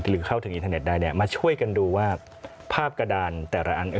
หรือเข้าถึงอินเทอร์เน็ตได้เนี่ยมาช่วยกันดูว่าภาพกระดานแต่ละอัน